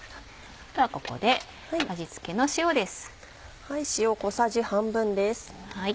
ここで味付けの塩です。